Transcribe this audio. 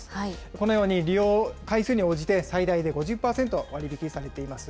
このように利用回数に応じて、最大で５０％割引されています。